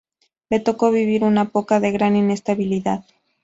Le tocó vivir una poca de gran inestabilidad.